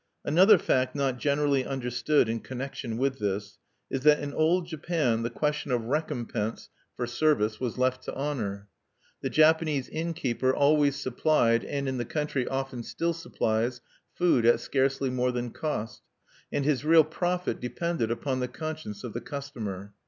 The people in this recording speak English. Another fact not generally understood in connection with this is that in Old Japan the question of recompense for service was left to honor. The Japanese innkeeper always supplied (and in the country often still supplies) food at scarcely more than cost; and his real profit depended upon the conscience of the customer.